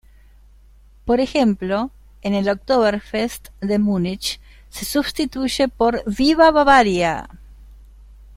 Por ejemplo, en el Oktoberfest de Múnich se sustituye por "Viva Bavaria!